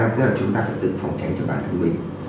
thì chúng ta phải tự phòng tránh cho bản thân mình